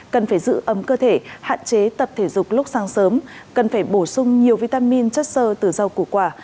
cần phải giữ ấm cơ thể hạn chế tập thể dục lúc sáng sớm cần phải bổ sung nhiều vitamin chất sơ từ rau củ quả